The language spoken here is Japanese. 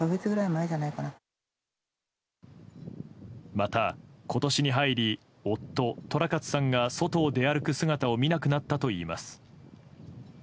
また、今年に入り夫・寅勝さんが外を出歩く姿を見なくなったといいます。